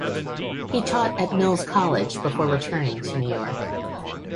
He taught at Mills College before returning to New York.